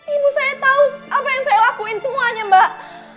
ibu saya tahu apa yang saya lakuin semuanya mbak